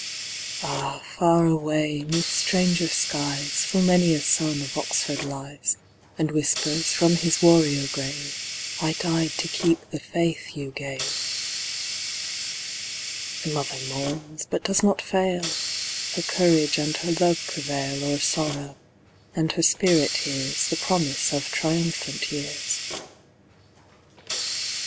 Ah, far away, 'neath stranger skies Full many a son of Oxford lies, And whispers from his warrior grave, "I died to keep the faith you gave." The mother mourns, but does not fail, Her courage and her love prevail O'er sorrow, and her spirit hears The promise of triumphant years.